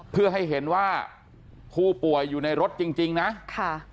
เพื่อให้เห็นว่าผู้ป่วยอยู่ในรถจริงจริงนะค่ะ